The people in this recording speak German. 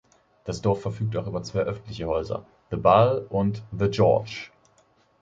Das Dorf verfügt auch über zwei öffentliche Häuser – The Bull und The George.